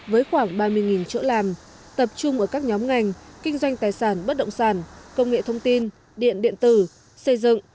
với khoảng ba mươi chỗ làm tập trung ở các nhóm ngành kinh doanh tài sản bất động sản công nghệ thông tin điện điện tử xây dựng